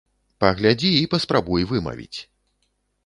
Паглядзі і паспрабуй вымавіць!